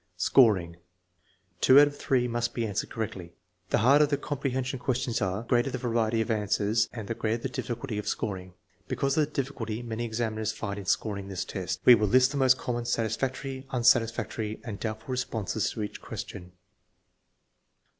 Scoring. Two out ofjhree must be answered correctly. The harder the comprehension questions are, the greater the variety of answers and the greater the difficulty of scoring. Because of the difficulty many examiners find in scoring this test, we will list the most common satisfactory, unsatisfactory, and doubtful responses to each question.